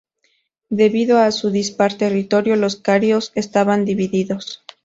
Debido a su dispar territorio, los carios estaban divididos.